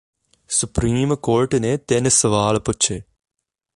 Supreme court ਨੇ ਤਿੰਨ ਸਵਾਲ ਪੁੱਛੇ